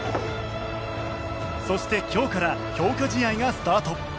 そして今日から強化試合がスタート。